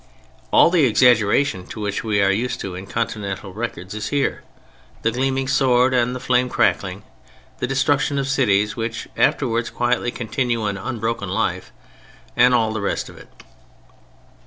All the exaggeration to which we are used in continental records is here: the "gleaming sword" and the "flame crackling," the "destruction" of cities (which afterward quietly continue an unbroken life!) and all the rest of it.